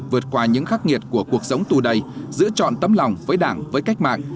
vượt qua những khắc nghiệt của cuộc sống tù đầy giữ trọn tâm lòng với đảng với cách mạng